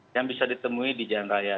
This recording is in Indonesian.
yang bisa ditemui di jalan raya